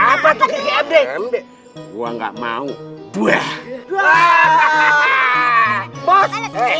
apa tuh gg md gua nggak mau buah hahaha bos